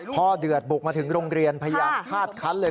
เดือดบุกมาถึงโรงเรียนพยายามคาดคันเลย